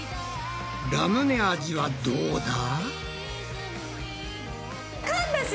ラムネ味はどうだ？